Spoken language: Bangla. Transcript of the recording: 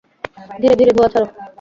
ধীরে ধীরে ধোঁয়া ছাড়ো।